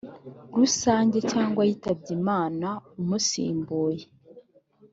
rusange cyangwa yitabye imana umusimbuye